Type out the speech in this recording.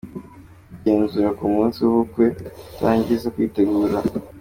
Kugenzura ku munsi w’ubukwe utararangiza kwitegura.